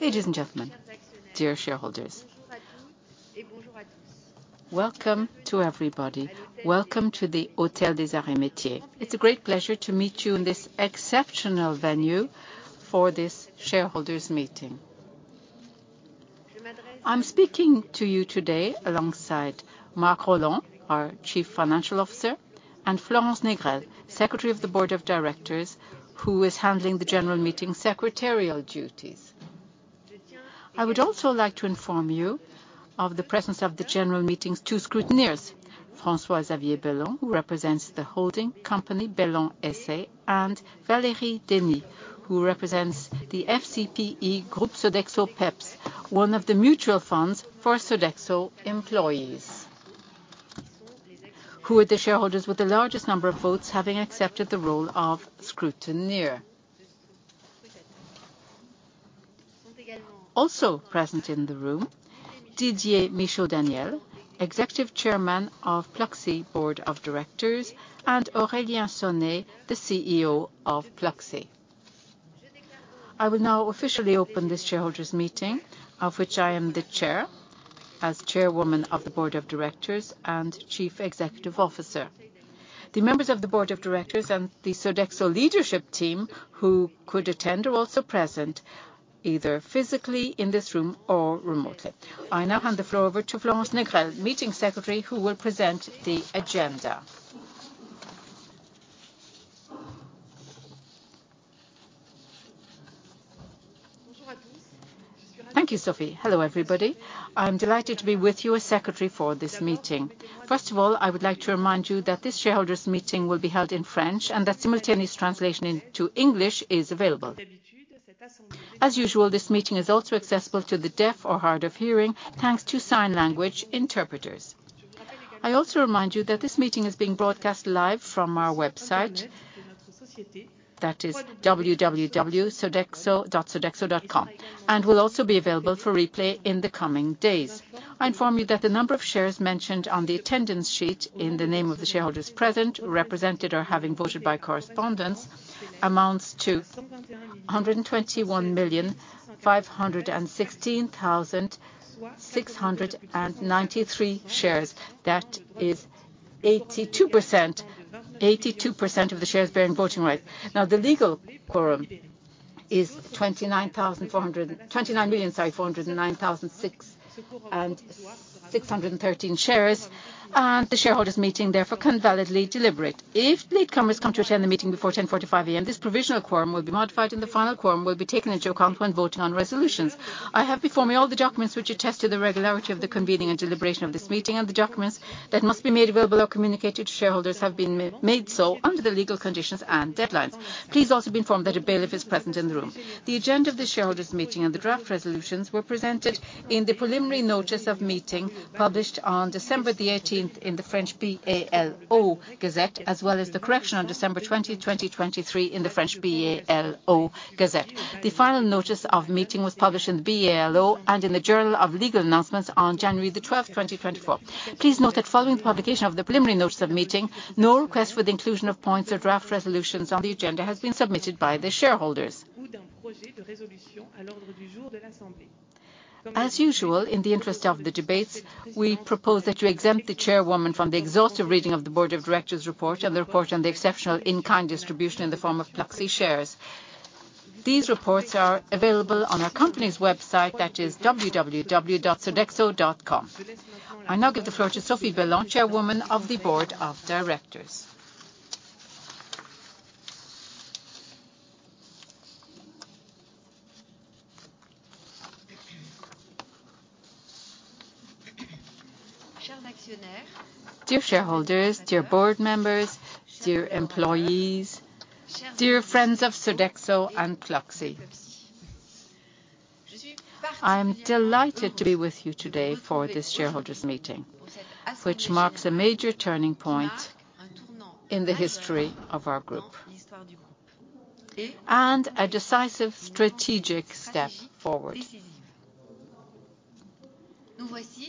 Ladies and gentlemen, dear shareholders, welcome to everybody. Welcome to the Hôtel des Arts et Métiers. It's a great pleasure to meet you in this exceptional venue for this shareholders meeting. I'm speaking to you today alongside Marc Rolland, our Chief Financial Officer, and Florence Négrel-Biecheler, Secretary of the Board of Directors, who is handling the general meeting's secretarial duties. I would also like to inform you of the presence of the general meeting's two scrutineers, François-Xavier Bellon, who represents the holding company, Bellon SA, and Valérie Denis, who represents the FCPE Groupe Sodexo PEPS, one of the mutual funds for Sodexo employees, who are the shareholders with the largest number of votes, having accepted the role of scrutineer. Also present in the room, Didier Michaud-Daniel, Executive Chairman of Pluxee's Board of Directors, and Aurélien Sonet, the CEO of Pluxee. I will now officially open this shareholders meeting, of which I am the chair, as Chairwoman of the Board of Directors and Chief Executive Officer. The members of the board of directors and the Sodexo leadership team who could attend are also present, either physically in this room or remotely. I now hand the floor over to Florence Négrel, Meeting Secretary, who will present the agenda. Thank you, Sophie. Hello, everybody. I'm delighted to be with you as secretary for this meeting. First of all, I would like to remind you that this shareholders meeting will be held in French, and that simultaneous translation into English is available. As usual, this meeting is also accessible to the deaf or hard of hearing, thanks to sign language interpreters. I also remind you that this meeting is being broadcast live from our website. That is www.sodexo.sodexo.com, and will also be available for replay in the coming days. I inform you that the number of shares mentioned on the attendance sheet in the name of the shareholders present, represented, or having voted by correspondence, amounts to 121,516,693 shares. That is 82%, 82% of the shares bearing voting rights. Now, the legal quorum is 29,409,666 shares. Sorry, the shareholders meeting, therefore, can validly deliberate. If latecomers come to attend the meeting before 10:45 A.M., this provisional quorum will be modified, and the final quorum will be taken into account when voting on resolutions. I have before me all the documents which attest to the regularity of the convening and deliberation of this meeting, and the documents that must be made available or communicated to shareholders have been made so under the legal conditions and deadlines. Please also be informed that a bailiff is present in the room. The agenda of the shareholders meeting and the draft resolutions were presented in the preliminary notice of meeting, published on December 18 in the French BALO Gazette, as well as the correction on December 20, 2023 in the French BALO Gazette. The final notice of meeting was published in the BALO and in the Journal of Legal Announcements on January 12, 2024. Please note that following the publication of the preliminary notice of meeting, no request for the inclusion of points or draft resolutions on the agenda has been submitted by the shareholders. As usual, in the interest of the debates, we propose that you exempt the Chairwoman from the exhaustive reading of the Board of Directors report and the report on the exceptional in-kind distribution in the form of Pluxee shares. These reports are available on our company's website, that is www.sodexo.com. I now give the floor to Sophie Bellon, Chairwoman of the Board of Directors. Dear shareholders, dear board members, dear employees, dear friends of Sodexo and Pluxee. I am delighted to be with you today for this shareholders meeting, which marks a major turning point in the history of our group, and a decisive strategic step forward.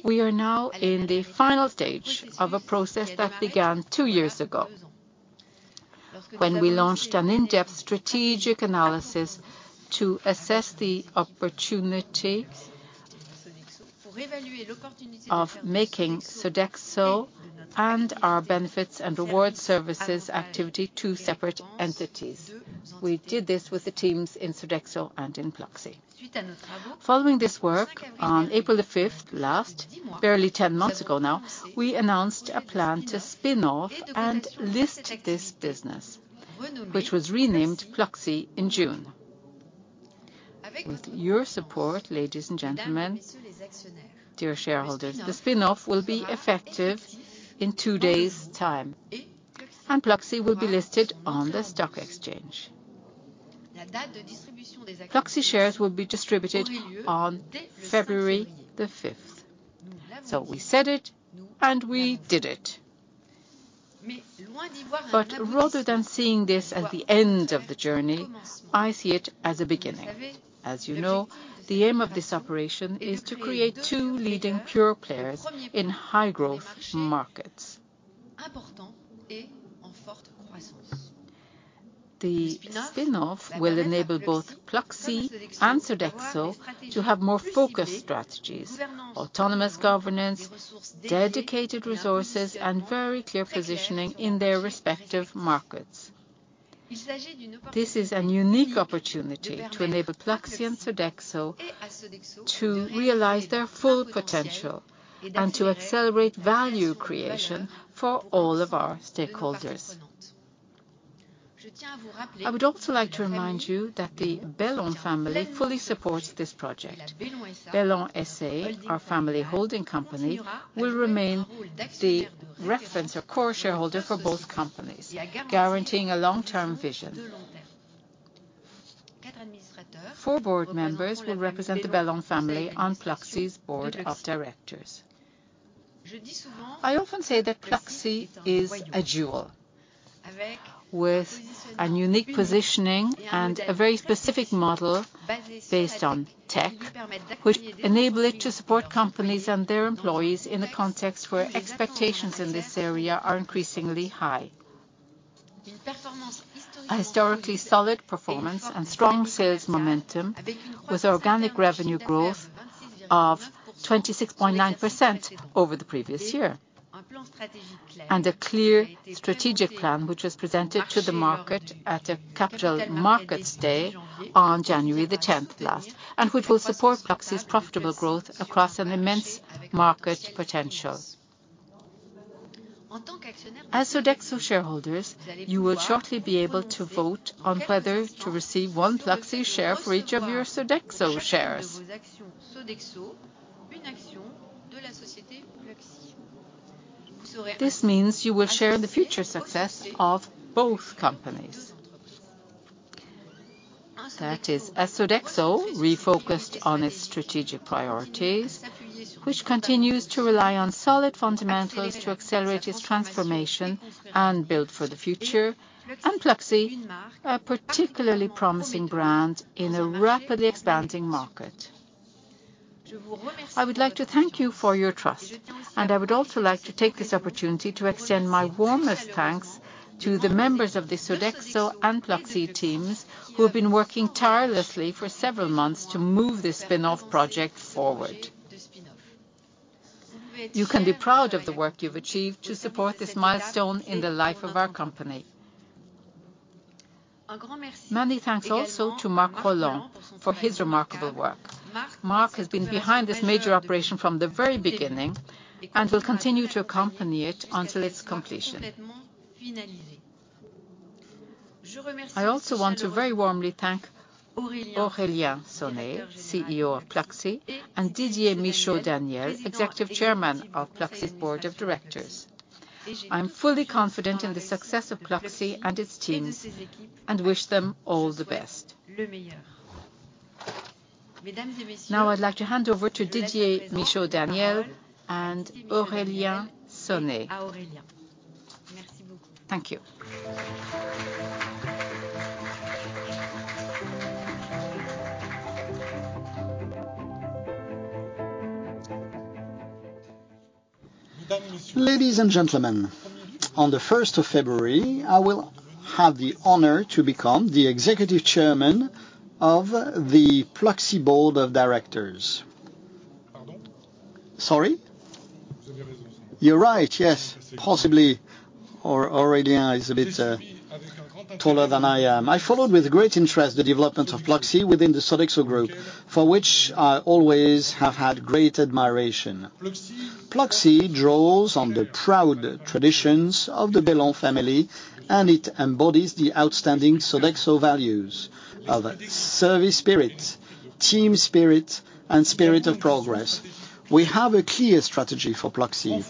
We are now in the final stage of a process that began two years ago, when we launched an in-depth strategic analysis to assess the opportunities of making Sodexo and our benefits and rewards services activity two separate entities. We did this with the teams in Sodexo and in Pluxee. Following this work, on April 5 last, barely 10 months ago now, we announced a plan to spin off and list this business, which was renamed Pluxee in June. With your support, ladies and gentlemen, dear shareholders, the spin-off will be effective in two days' time, and Pluxee will be listed on the stock exchange. Pluxee shares will be distributed on February 5. So we said it, and we did it. But rather than seeing this as the end of the journey, I see it as a beginning. As you know, the aim of this operation is to create two leading pure players in high-growth markets. The spin-off will enable both Pluxee and Sodexo to have more focused strategies, autonomous governance, dedicated resources, and very clear positioning in their respective markets. This is a unique opportunity to enable Pluxee and Sodexo to realize their full potential and to accelerate value creation for all of our stakeholders. I would also like to remind you that the Bellon family fully supports this project. Bellon SA, our family holding company, will remain the reference or core shareholder for both companies, guaranteeing a long-term vision. Four board members will represent the Bellon family on Pluxee's board of directors. I often say that Pluxee is a jewel with a unique positioning and a very specific model based on tech, which enable it to support companies and their employees in the context where expectations in this area are increasingly high. A historically solid performance and strong sales momentum, with organic revenue growth of 26.9% over the previous year, and a clear strategic plan, which was presented to the market at a Capital Markets Day on January 10, 2024. Which will support Pluxee's profitable growth across an immense market potential. As Sodexo shareholders, you will shortly be able to vote on whether to receive one Pluxee share for each of your Sodexo shares. This means you will share in the future success of both companies. That is, as Sodexo refocused on its strategic priorities, which continues to rely on solid fundamentals to accelerate its transformation and build for the future. Pluxee, a particularly promising brand in a rapidly expanding market. I would like to thank you for your trust, and I would also like to take this opportunity to extend my warmest thanks to the members of the Sodexo and Pluxee teams, who have been working tirelessly for several months to move this spin-off project forward. You can be proud of the work you've achieved to support this milestone in the life of our company. Many thanks also to Marc Rolland for his remarkable work. Marc has been behind this major operation from the very beginning, and will continue to accompany it until its completion. I also want to very warmly thank Aurélien Sonet, CEO of Pluxee, and Didier Michaud-Daniel, Executive Chairman of Pluxee's Board of Directors. I'm fully confident in the success of Pluxee and its teams, and wish them all the best. Now, I'd like to hand over to Didier Michaud-Daniel and Aurélien Sonet. Thank you. Ladies and gentlemen, on the first of February, I will have the honor to become the Executive Chairman of the Pluxee Board of Directors. Sorry? You're right, yes. Possibly Aurélien is a bit taller than I am. I followed with great interest the development of Pluxee within the Sodexo group, for which I always have had great admiration. Pluxee draws on the proud traditions of the Bellon family, and it embodies the outstanding Sodexo values of service spirit, team spirit, and spirit of progress. We have a clear strategy for Pluxee: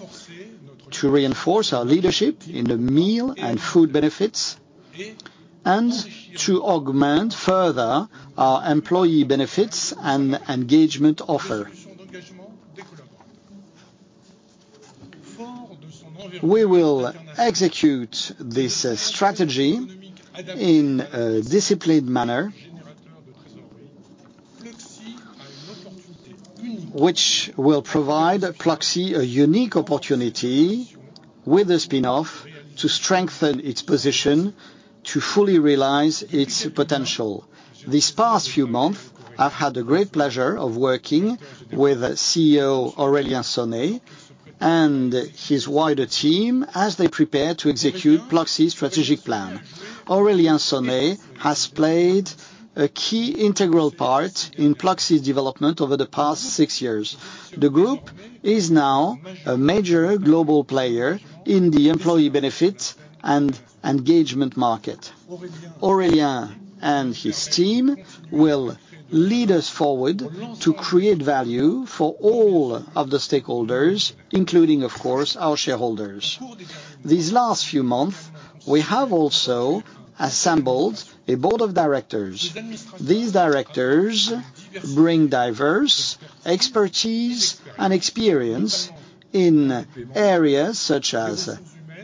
to reinforce our leadership in the meal and food benefits and to augment further our employee benefits and engagement offer. We will execute this strategy in a disciplined manner, which will provide Pluxee a unique opportunity with the spin-off, to strengthen its position to fully realize its potential. These past few months, I've had the great pleasure of working with CEO Aurélien Sonet and his wider team as they prepare to execute Pluxee's strategic plan. Aurélien Sonet has played a key integral part in Pluxee's development over the past six years. The group is now a major global player in the employee benefits and engagement market. Aurélien and his team will lead us forward to create value for all of the stakeholders, including, of course, our shareholders. These last few months, we have also assembled a board of directors. These directors bring diverse expertise and experience in areas such as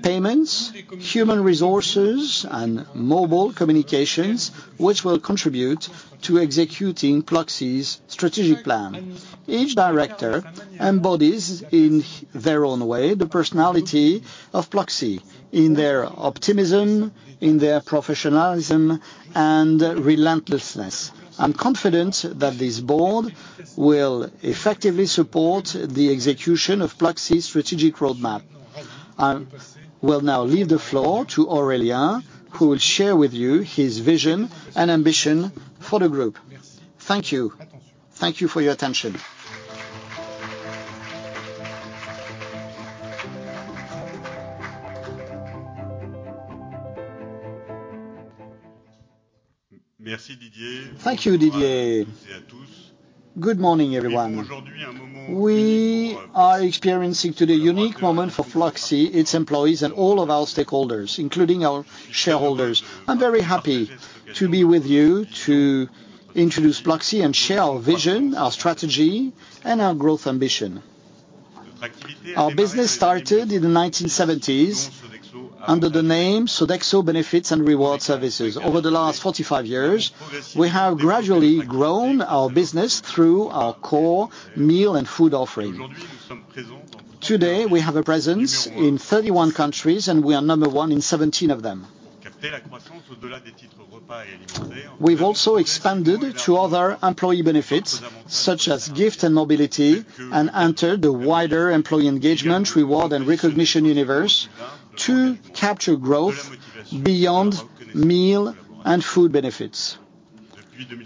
payments, human resources, and mobile communications, which will contribute to executing Pluxee's strategic plan. Each director embodies, in their own way, the personality of Pluxee, in their optimism, in their professionalism, and relentlessness. I'm confident that this board will effectively support the execution of Pluxee's strategic roadmap. I will now leave the floor to Aurélien, who will share with you his vision and ambition for the group. Thank you. Thank you for your attention. Thank you, Didier. Good morning, everyone. We are experiencing today a unique moment for Pluxee, its employees, and all of our stakeholders, including our shareholders. I'm very happy to be with you to introduce Pluxee and share our vision, our strategy, and our growth ambition. Our business started in the 1970s under the name Sodexo Benefits and Rewards Services. Over the last 45 years, we have gradually grown our business through our core meal and food offering. Today, we have a presence in 31 countries, and we are number one in 17 of them. We've also expanded to other employee benefits, such as gift and mobility, and entered the wider employee engagement, reward, and recognition universe to capture growth beyond meal and food benefits.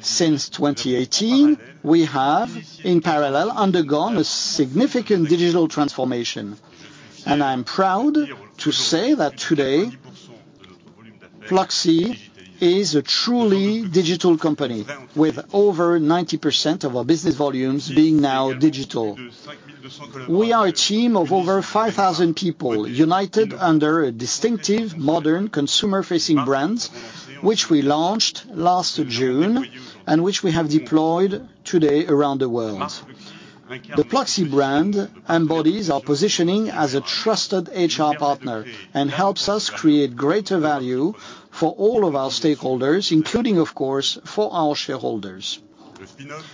Since 2018, we have, in parallel, undergone a significant digital transformation. I'm proud to say that today, Pluxee is a truly digital company, with over 90% of our business volumes being now digital. We are a team of over 5,000 people, united under a distinctive, modern, consumer-facing brand, which we launched last June, and which we have deployed today around the world. The Pluxee brand embodies our positioning as a trusted HR partner and helps us create greater value for all of our stakeholders, including, of course, for our shareholders.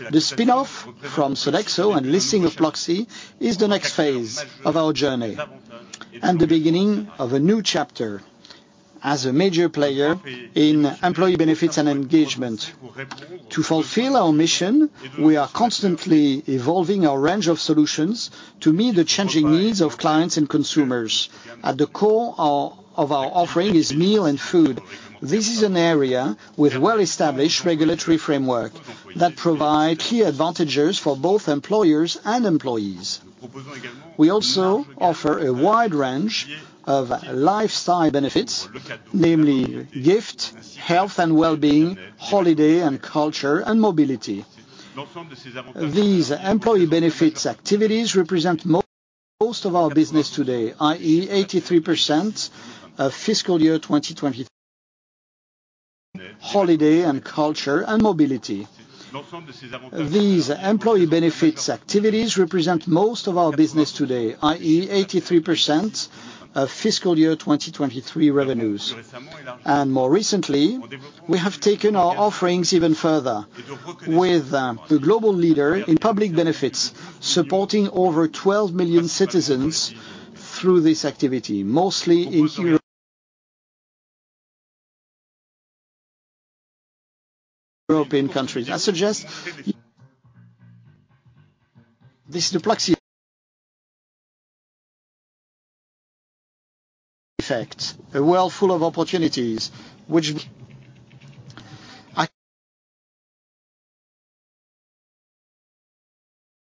The spin-off from Sodexo and listing of Pluxee is the next phase of our journey and the beginning of a new chapter as a major player in employee benefits and engagement. To fulfill our mission, we are constantly evolving our range of solutions to meet the changing needs of clients and consumers. At the core of our offering is meal and food. This is an area with well-established regulatory framework that provide key advantages for both employers and employees. We also offer a wide range of lifestyle benefits, namely gift, health and wellbeing, holiday and culture, and mobility. These employee benefits activities represent most of our business today, i.e., 83% of fiscal year 2023 revenues. And more recently, we have taken our offerings even further with the global leader in public benefits, supporting over 12 million citizens through this activity, mostly in European countries. This is the Pluxee effect, a world full of opportunities.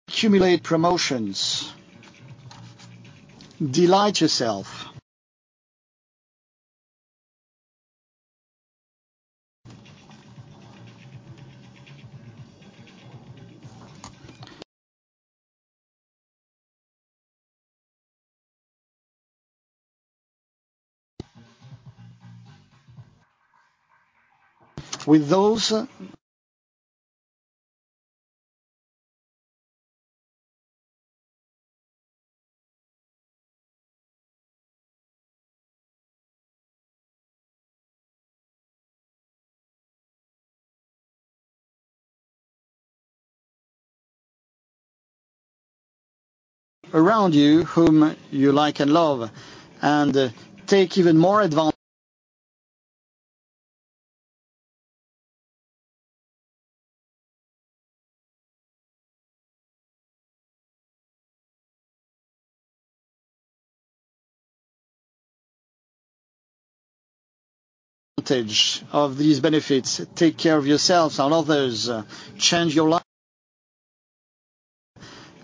Accumulate promotions. Delight yourself with those around you, whom you like and love, and take even more advantage of these benefits. Take care of yourselves and others, change your life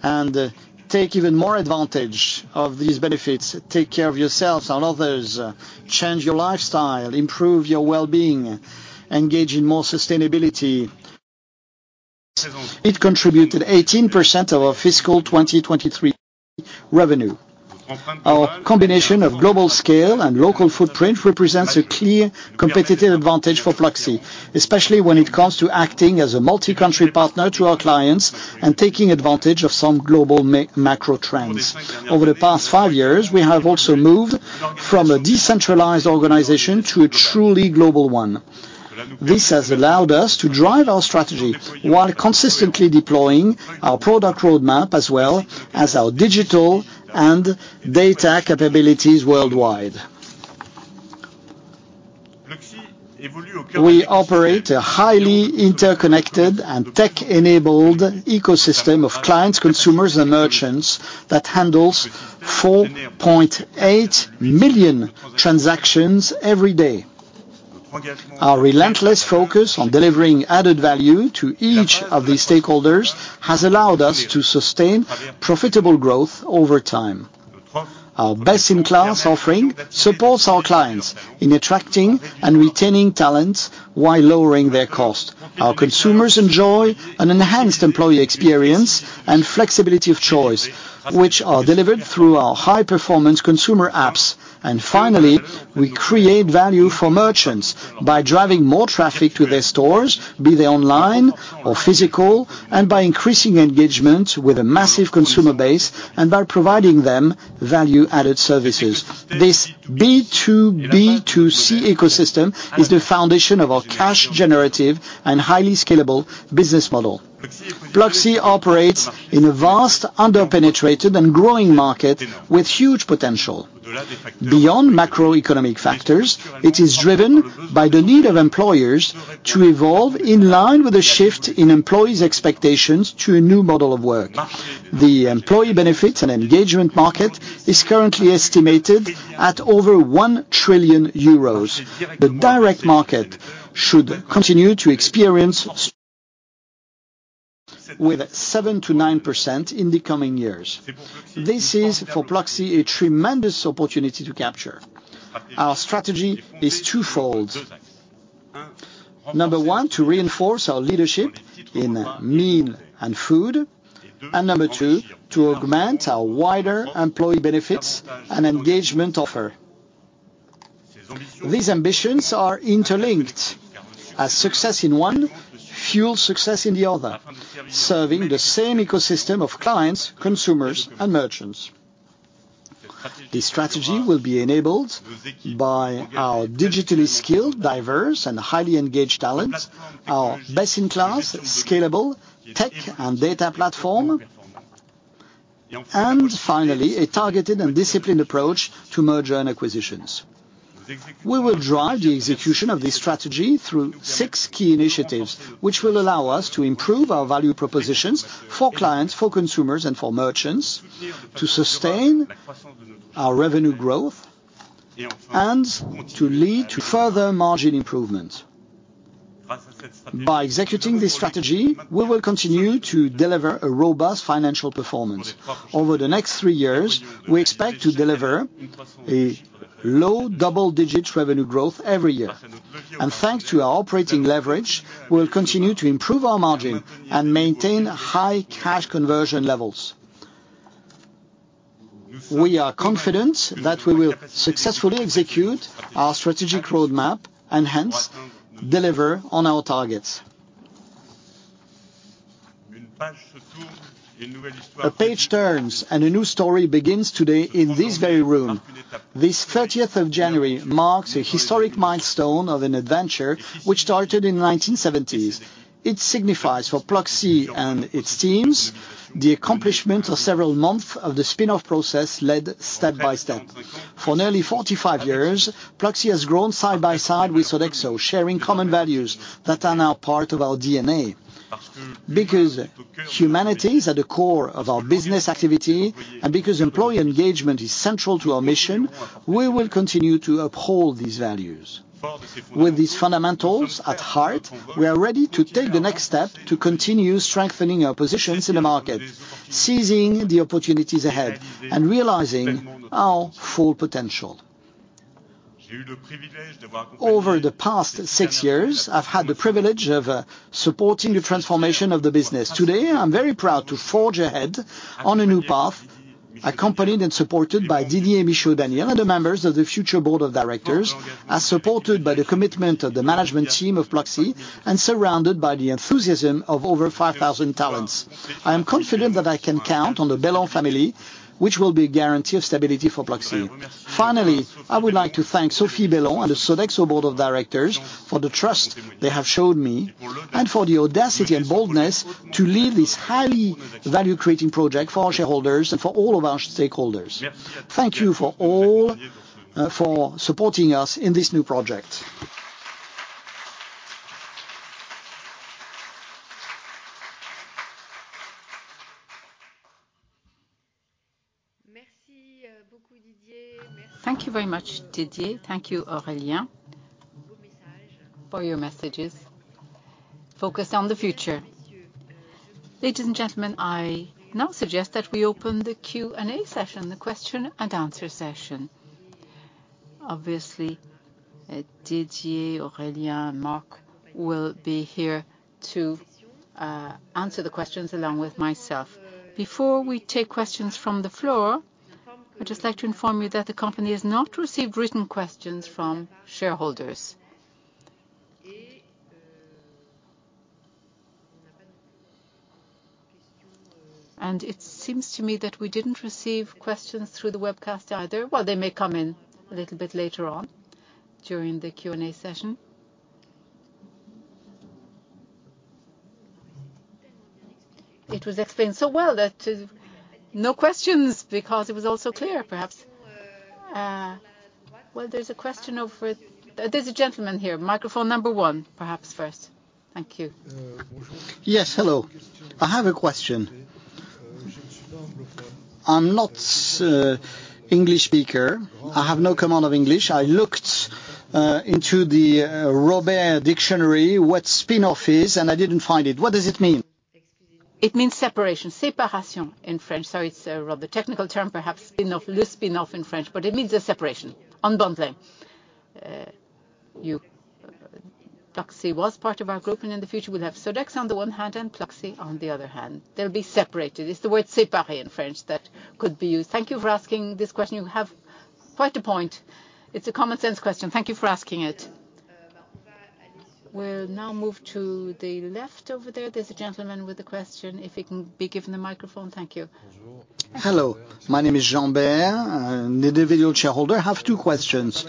and take even more advantage of these benefits. Take care of yourselves and others, change your lifestyle, improve your well-being, engage in more sustainability. It contributed 18% of our fiscal 2023 revenue. Our combination of global scale and local footprint represents a clear competitive advantage for Pluxee, especially when it comes to acting as a multi-country partner to our clients and taking advantage of some global macro trends. Over the past five years, we have also moved from a decentralized organization to a truly global one. This has allowed us to drive our strategy while consistently deploying our product roadmap, as well as our digital and data capabilities worldwide. We operate a highly interconnected and tech-enabled ecosystem of clients, consumers, and merchants that handles 4.8 million transactions every day. Our relentless focus on delivering added value to each of these stakeholders has allowed us to sustain profitable growth over time. Our best-in-class offering supports our clients in attracting and retaining talent while lowering their cost. Our consumers enjoy an enhanced employee experience and flexibility of choice, which are delivered through our high-performance consumer apps. Finally, we create value for merchants by driving more traffic to their stores, be they online or physical, and by increasing engagement with a massive consumer base, and by providing them value-added services. This B2B2C ecosystem is the foundation of our cash-generative and highly scalable business model. Pluxee operates in a vast, under-penetrated, and growing market with huge potential. Beyond macroeconomic factors, it is driven by the need of employers to evolve in line with the shift in employees' expectations to a new model of work. The employee benefits and engagement market is currently estimated at over 1 trillion euros. The direct market should continue to experience with 7%-9% in the coming years. This is, for Pluxee, a tremendous opportunity to capture. Our strategy is twofold. Number one, to reinforce our leadership in meal and food. And number two, to augment our wider employee benefits and engagement offer. These ambitions are interlinked, as success in one fuels success in the other, serving the same ecosystem of clients, consumers, and merchants. This strategy will be enabled by our digitally skilled, diverse, and highly engaged talents, our best-in-class, scalable tech and data platform, and finally, a targeted and disciplined approach to merger and acquisitions. We will drive the execution of this strategy through six key initiatives, which will allow us to improve our value propositions for clients, for consumers, and for merchants, to sustain our revenue growth, and to lead to further margin improvements. By executing this strategy, we will continue to deliver a robust financial performance. Over the next three years, we expect to deliver a low double-digit revenue growth every year, and thanks to our operating leverage, we'll continue to improve our margin and maintain high cash conversion levels. We are confident that we will successfully execute our strategic roadmap and, hence, deliver on our targets. A page turns, and a new story begins today in this very room. This thirtieth of January marks a historic milestone of an adventure which started in 1970s. It signifies, for Pluxee and its teams, the accomplishment of several months of the spin-off process led step by step. For nearly 45 years, Pluxee has grown side by side with Sodexo, sharing common values that are now part of our DNA. Because humanity is at the core of our business activity, and because employee engagement is central to our mission, we will continue to uphold these values. With these fundamentals at heart, we are ready to take the next step to continue strengthening our positions in the market, seizing the opportunities ahead, and realizing our full potential. Over the past 6 years, I've had the privilege of supporting the transformation of the business. Today, I'm very proud to forge ahead on a new path, accompanied and supported by Didier Michaud-Daniel and the members of the future board of directors, as supported by the commitment of the management team of Pluxee, and surrounded by the enthusiasm of over 5,000 talents. I am confident that I can count on the Bellon family, which will be a guarantee of stability for Pluxee. Finally, I would like to thank Sophie Bellon and the Sodexo Board of Directors for the trust they have showed me, and for the audacity and boldness to lead this highly value-creating project for our shareholders and for all of our stakeholders. Thank you for all, for supporting us in this new project. Thank you very much, Didier. Thank you, Aurélien, for your messages focused on the future. Ladies and gentlemen, I now suggest that we open the Q&A session, the question and answer session. Obviously, Didier, Aurélien, and Marc will be here to answer the questions along with myself. Before we take questions from the floor, I'd just like to inform you that the company has not received written questions from shareholders. And it seems to me that we didn't receive questions through the webcast either. Well, they may come in a little bit later on during the Q&A session. It was explained so well that, no questions, because it was all so clear, perhaps. Well, there's a gentleman here. Microphone number 1, perhaps first. Thank you. Yes, hello. I have a question. I'm not English speaker. I have no command of English. I looked into the Robert dictionary, what spin-off is, and I didn't find it. What does it mean? It means separation. Séparation in French, so it's rather technical term, perhaps, spin-off, le spin-off in French, but it means a separation. Unbundling. Pluxee was part of our group, and in the future, we'll have Sodexo on the one hand and Pluxee on the other hand. They'll be separated. It's the word séparé in French that could be used. Thank you for asking this question. You have quite a point. It's a common sense question. Thank you for asking it. We'll now move to the left over there. There's a gentleman with a question, if he can be given the microphone. Thank you. Hello, my name is Jean Baer, I'm an individual shareholder. I have two questions.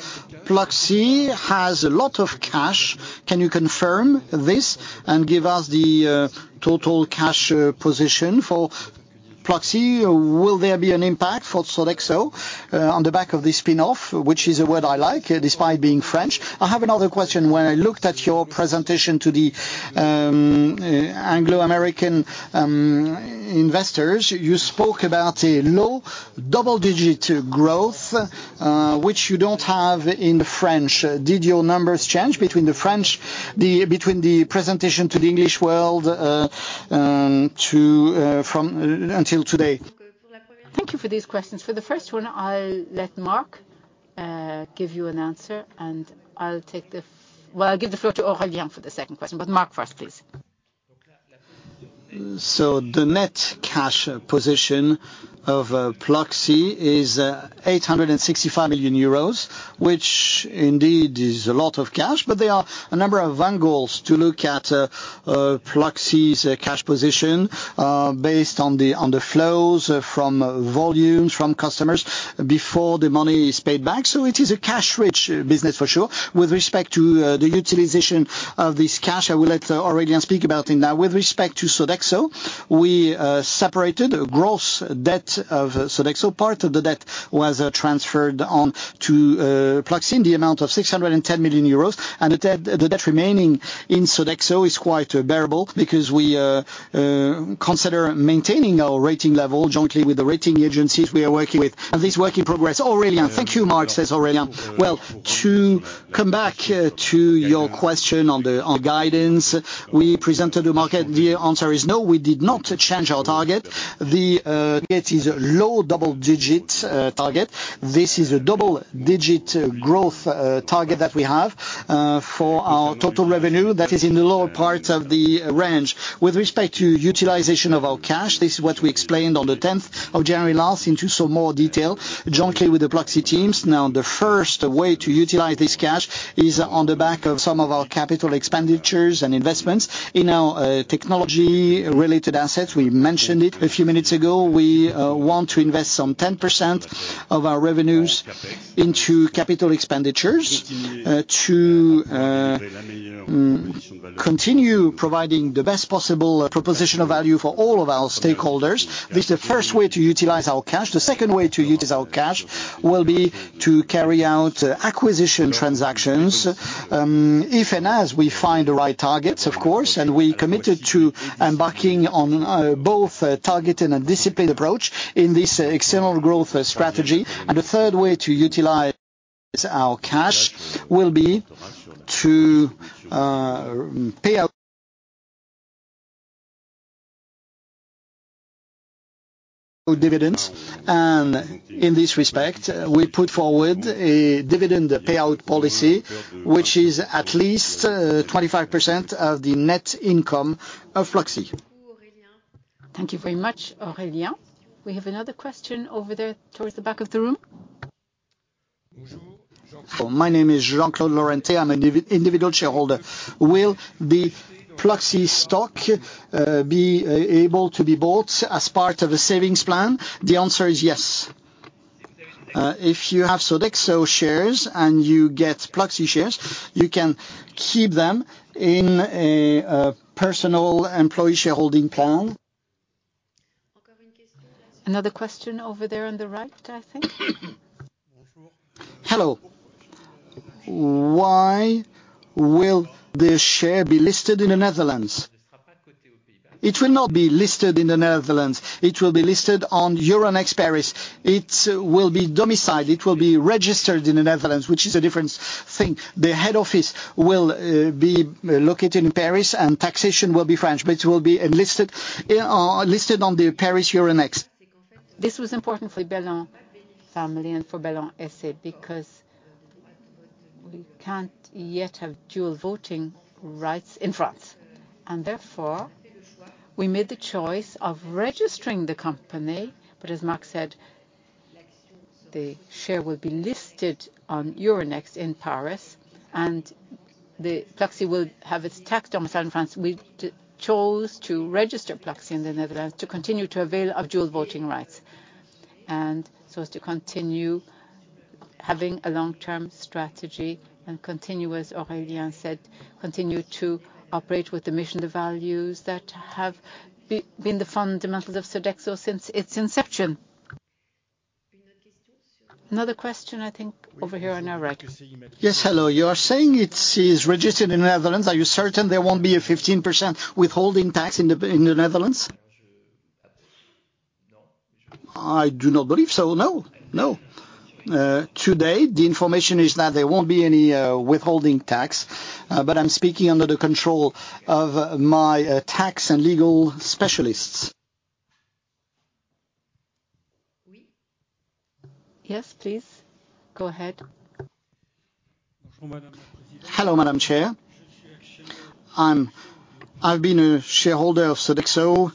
Pluxee has a lot of cash. Can you confirm this and give us the total cash position for Pluxee? Will there be an impact for Sodexo on the back of this spin-off, which is a word I like, despite being French? I have another question. When I looked at your presentation to the Anglo-American investors, you spoke about a low double-digit growth, which you don't have in the French. Did your numbers change between the French between the presentation to the English world until today? Thank you for these questions. For the first one, I'll let Marc give you an answer, and I'll take the... Well, I'll give the floor to Aurélien for the second question, but Marc first, please. So the net cash position of Pluxee is 865 million euros, which indeed is a lot of cash, but there are a number of angles to look at Pluxee's cash position based on the flows from volumes from customers before the money is paid back. So it is a cash-rich business for sure. With respect to the utilization of this cash, I will let Aurélien speak about it now. With respect to Sodexo, we separated a gross debt of Sodexo. Part of the debt was transferred on to Pluxee in the amount of 610 million euros. And the debt remaining in Sodexo is quite bearable because we consider maintaining our rating level jointly with the rating agencies we are working with. And this work in progress... Aurélien. Thank you, Marc, says Aurélien. Well, to come back to your question on guidance we presented to the market, the answer is no, we did not change our target. The target is a low double-digit target. This is a double-digit growth target that we have for our total revenue. That is in the lower parts of the range. With respect to utilization of our cash, this is what we explained on the tenth of January last in some more detail, jointly with the Pluxee teams. Now, the first way to utilize this cash is on the back of some of our capital expenditures and investments in our technology-related assets. We mentioned it a few minutes ago. We want to invest some 10% of our revenues into capital expenditures, to continue providing the best possible value proposition for all of our stakeholders. This is the first way to utilize our cash. The second way to utilize our cash will be to carry out acquisition transactions, if and as we find the right targets, of course, and we committed to embarking on both a targeted and disciplined approach in this external growth strategy. And the third way to utilize our cash will be to pay out dividends. And in this respect, we put forward a dividend payout policy, which is at least 25% of the net income of Pluxee. Thank you very much, Aurélien. We have another question over there towards the back of the room. My name is Jean-Claude Lorente. I'm an individual shareholder. Will the Pluxee stock be able to be bought as part of a savings plan? The answer is yes. If you have Sodexo shares and you get Pluxee shares, you can keep them in a personal employee shareholding plan. Another question over there on the right, I think. Hello. Why will this share be listed in the Netherlands? It will not be listed in the Netherlands. It will be listed on Euronext Paris. It will be domiciled, it will be registered in the Netherlands, which is a different thing. The head office will be located in Paris, and taxation will be French, but it will be listed on the Euronext Paris. This was important for Bellon family and for Bellon SA, because we can't yet have dual voting rights in France, and therefore, we made the choice of registering the company, but as Marc said... The share will be listed on Euronext Paris, and Pluxee will have its tax done in France. We chose to register Pluxee in the Netherlands to continue to avail of dual voting rights, and so as to continue having a long-term strategy and continue, as Aurélien said, continue to operate with the mission, the values that have been the fundamentals of Sodexo since its inception. Another question, I think, over here on our right. Yes, hello. You are saying it's registered in Netherlands. Are you certain there won't be a 15% withholding tax in the Netherlands? I do not believe so. No. No. Today, the information is that there won't be any withholding tax, but I'm speaking under the control of my tax and legal specialists. Yes, please. Go ahead. Hello, Madam Chair. I've been a shareholder of Sodexo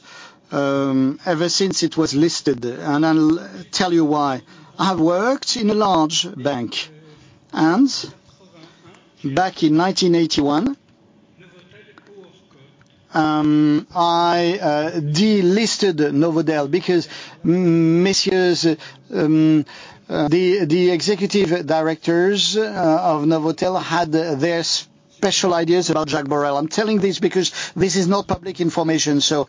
ever since it was listed, and I'll tell you why. I have worked in a large bank, and back in 1981, I delisted Novotel because, Messieurs, the executive directors of Novotel had their special ideas about Jacques Borel. I'm telling this because this is not public information. So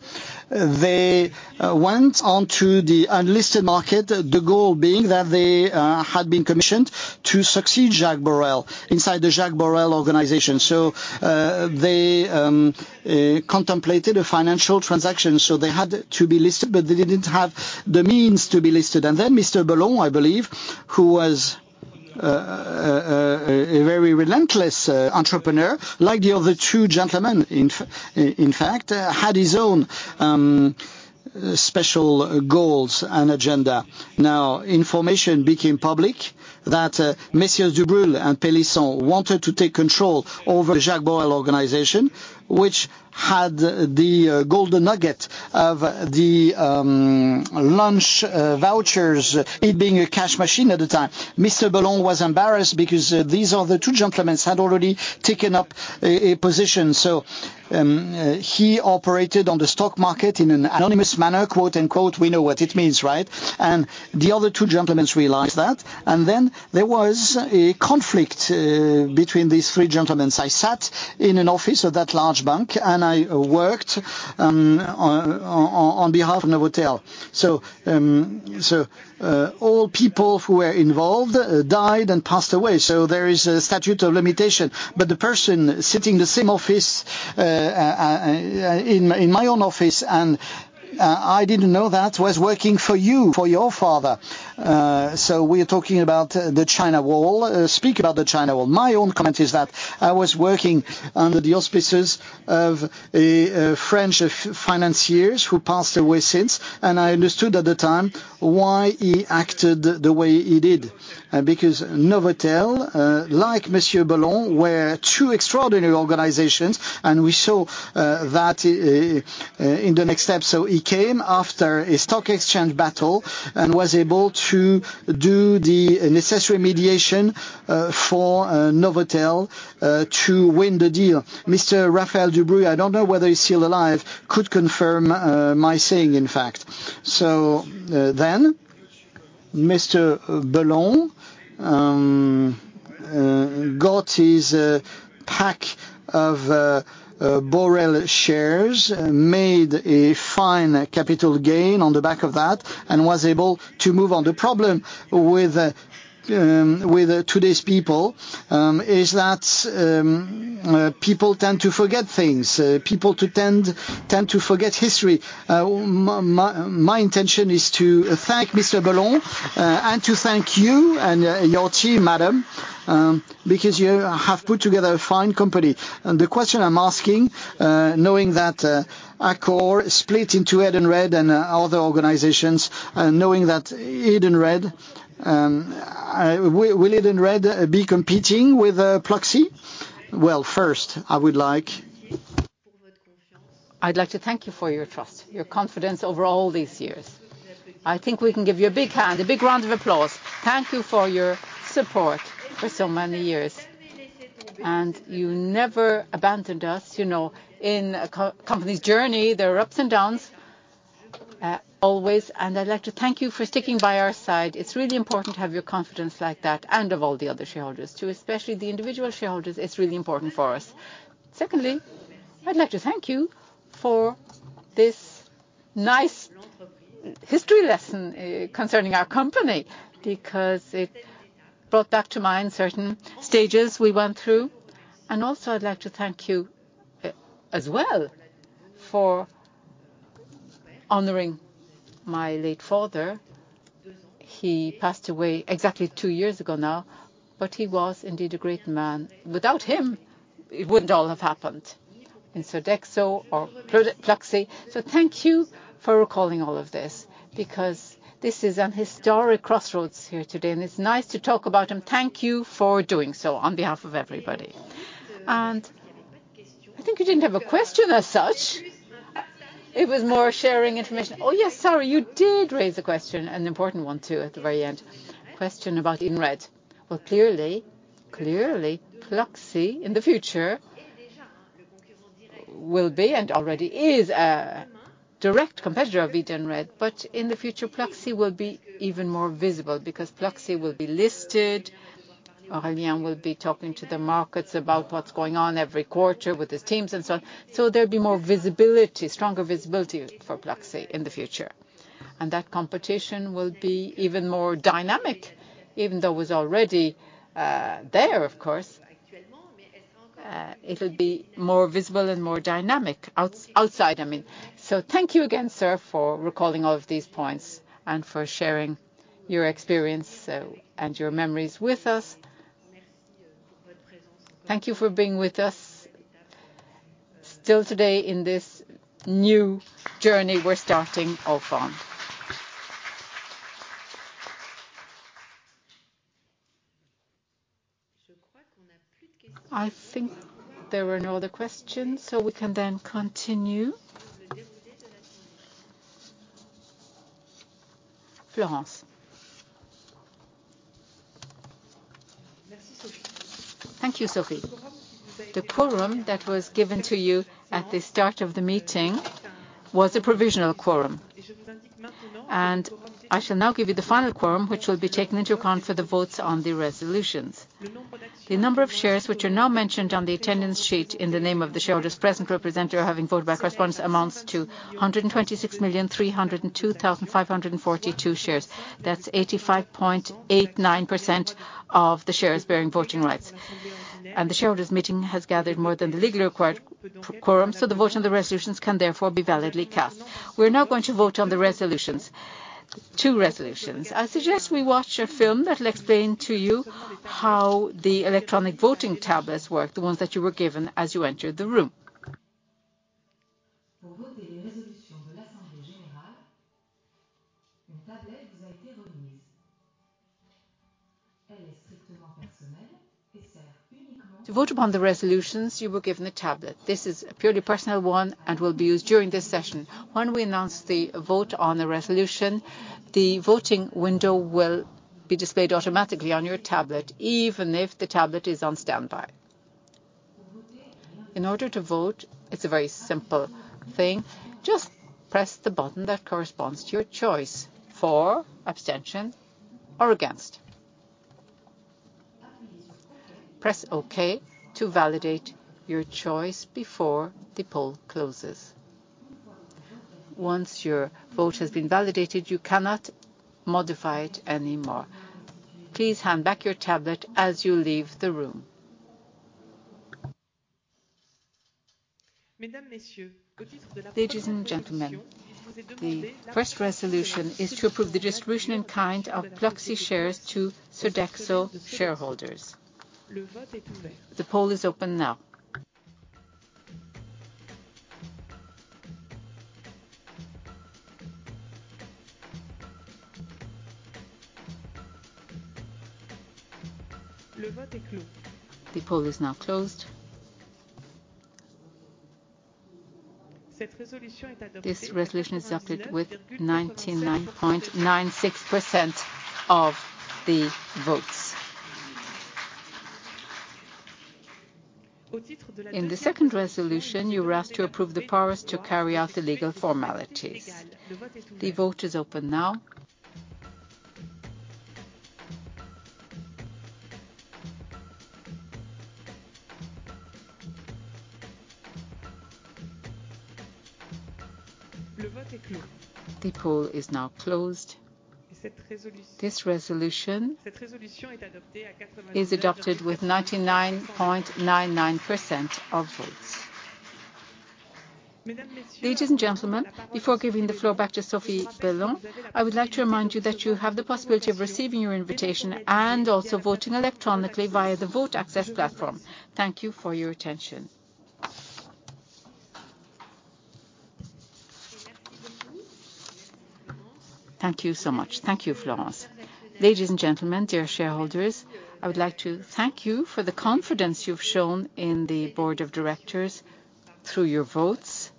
they went onto the unlisted market, the goal being that they had been commissioned to succeed Jacques Borel inside the Jacques Borel organization. So, they contemplated a financial transaction, so they had to be listed, but they didn't have the means to be listed. And then Mr. Bellon, I believe, who was a very relentless entrepreneur, like the other two gentlemen, in fact had his own special goals and agenda. Now, information became public that Messieurs Dubreuil and Pélisson wanted to take control over the Jacques Borel organization, which had the golden nugget of the lunch vouchers, it being a cash machine at the time. Mr. Bellon was embarrassed because these are the two gentlemen had already taken up a position. So, he operated on the stock market in an anonymous manner, quote, unquote. We know what it means, right? And the other two gentlemen realized that, and then there was a conflict between these three gentlemen. I sat in an office of that large bank, and I worked on behalf of Novotel. So, all people who were involved died and passed away, so there is a statute of limitation. But the person sitting in the same office, in my own office, and I didn't know that, was working for you, for your father. So we are talking about the China wall. Speak about the China wall. My own comment is that I was working under the auspices of a French financiers who passed away since, and I understood at the time why he acted the way he did. Because Novotel, like Monsieur Bellon, were two extraordinary organizations, and we saw that in the next step. So he came after a stock exchange battle and was able to do the necessary mediation for Novotel to win the deal. Mr. Raphael Dubreuil, I don't know whether he's still alive, could confirm my saying, in fact. So, then Mr. Bellon got his pack of Borel shares, made a fine capital gain on the back of that, and was able to move on. The problem with today's people is that people tend to forget things, people tend to forget history. My intention is to thank Mr. Bellon and to thank you and your team, madam, because you have put together a fine company. And the question I'm asking, knowing that Accor split into Edenred and other organizations, and knowing that Edenred... Will Edenred be competing with Pluxee? Well, first, I would like... I'd like to thank you for your trust, your confidence over all these years. I think we can give you a big hand, a big round of applause. Thank you for your support for so many years. You never abandoned us. You know, in a company's journey, there are ups and downs, always, and I'd like to thank you for sticking by our side. It's really important to have your confidence like that and of all the other shareholders, too. Especially the individual shareholders, it's really important for us. Secondly, I'd like to thank you for this nice history lesson, concerning our company, because it brought back to mind certain stages we went through. Also, I'd like to thank you, as well, for honoring my late father. He passed away exactly two years ago now, but he was indeed a great man. Without him, it wouldn't all have happened, in Sodexo or Pluxee. So thank you for recalling all of this, because this is an historic crossroads here today, and it's nice to talk about him. Thank you for doing so on behalf of everybody. And I think you didn't have a question as such? It was more sharing information. Oh, yes, sorry, you did raise a question, an important one, too, at the very end. Question about Edenred. Well, clearly, clearly Pluxee in the future will be, and already is, a direct competitor of Edenred. But in the future, Pluxee will be even more visible, because Pluxee will be listed. Aurélien will be talking to the markets about what's going on every quarter with his teams and so on. So there'll be more visibility, stronger visibility for Pluxee in the future, and that competition will be even more dynamic. Even though it was already there, of course, it'll be more visible and more dynamic outside, I mean. So thank you again, sir, for recalling all of these points and for sharing your experience and your memories with us. Thank you for being with us still today in this new journey we're starting off on. I think there were no other questions, so we can then continue. Florence? Thank you, Sophie. The quorum that was given to you at the start of the meeting was a provisional quorum. And I shall now give you the final quorum, which will be taken into account for the votes on the resolutions. The number of shares which are now mentioned on the attendance sheet in the name of the shareholders present, represented, or having voted by correspondence, amounts to 126,302,542 shares. That's 85.89% of the shares bearing voting rights. The shareholders' meeting has gathered more than the legally required quorum, so the vote on the resolutions can therefore be validly cast. We're now going to vote on the resolutions, two resolutions. I suggest we watch a film that will explain to you how the electronic voting tablets work, the ones that you were given as you entered the room. To vote upon the resolutions, you were given a tablet. This is a purely personal one and will be used during this session. When we announce the vote on the resolution, the voting window will be displayed automatically on your tablet, even if the tablet is on standby. In order to vote, it's a very simple thing, just press the button that corresponds to your choice: for, abstention, or against. Press Okay to validate your choice before the poll closes. Once your vote has been validated, you cannot modify it anymore. Please hand back your tablet as you leave the room. Ladies and gentlemen, the first resolution is to approve the distribution in kind of Pluxee shares to Sodexo shareholders. The poll is open now. The poll is now closed. This resolution is adopted with 99.96% of the votes. In the second resolution, you were asked to approve the powers to carry out the legal formalities. The vote is open now. The poll is now closed. This resolution is adopted with 99.99% of votes. Ladies and gentlemen, before giving the floor back to Sophie Bellon, I would like to remind you that you have the possibility of receiving your invitation and also voting electronically via the vote access platform. Thank you for your attention. Thank you so much. Thank you, Florence. Ladies and gentlemen, dear shareholders, I would like to thank you for the confidence you've shown in the board of directors through your votes.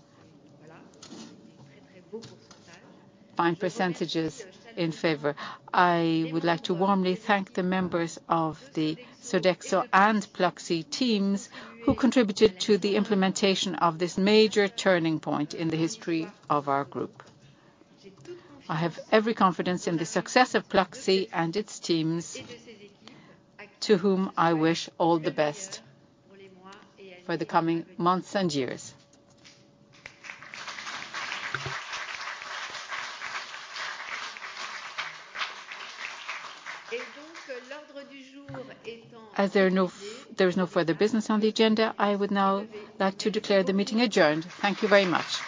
Fine percentages in favor. I would like to warmly thank the members of the Sodexo and Pluxee teams, who contributed to the implementation of this major turning point in the history of our group. I have every confidence in the success of Pluxee and its teams, to whom I wish all the best for the coming months and years. As there is no further business on the agenda, I would now like to declare the meeting adjourned. Thank you very much.